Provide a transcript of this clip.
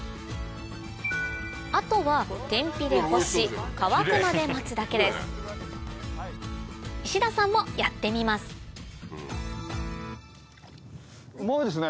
あとは天日で干し乾くまで待つだけです石田さんもやってみますうまいですね！